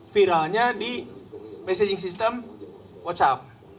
viralnya di messaging system whatsapp